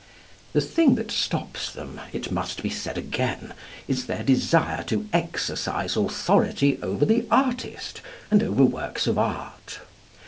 The thing that stops them, it must be said again, is their desire to exercise authority over the artist and over works of art.